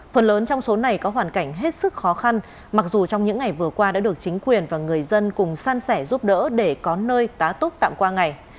phần lớn trong số này có hoàn cảnh hết sức khó khăn mặc dù trong những ngày vừa qua đã được chính quyền và người dân cùng san sẻ giúp đỡ để có nơi tá túc tạm qua ngày